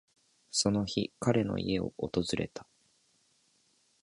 その日、彼の家を訪れた。